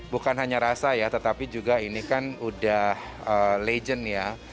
bukan hanya rasa ya tetapi juga ini kan udah legend ya